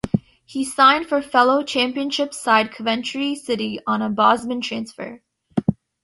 He signed for fellow Championship side Coventry City on a Bosman transfer.